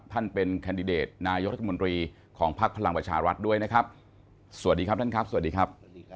ท่านเป็นแคนดิเดตนายกรัฐมนตรีของภักดิ์พลังประชารัฐด้วยนะครับสวัสดีครับท่านครับสวัสดีครับ